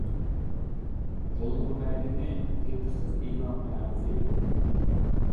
قولۇمغا بەرگىنى تېتىقسىز ئېلان قەغىزى ئىدى.